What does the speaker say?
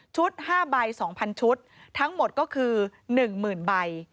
๕ใบ๒๐๐ชุดทั้งหมดก็คือ๑๐๐๐ใบ